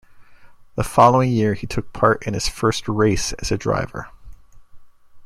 The following year he took part in his first race as a driver.